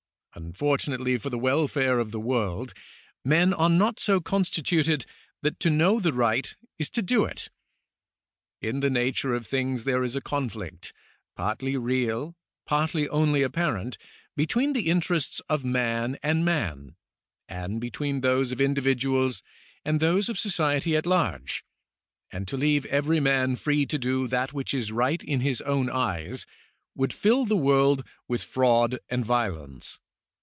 Unfortunately for the welfare of tiie world, men are not so constituted that to know the right is to do it. In the nature of things there is a conflict, partly real, partly only apparent, between the interests of man and man, and between those of individuals and those of society at large ; and to leave every man free to do that which is right in his own eyes, would fill the world with fraud and violence.